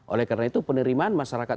oleh karena itu penerimaan masyarakat